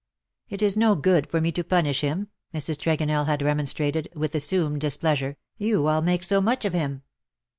'' It is no good for me to punish him/^ Mrs. Tregonell had remonstrated, with assumed dis pleasure ;" you all make so much of him.''